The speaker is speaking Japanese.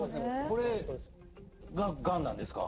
これががんなんですか。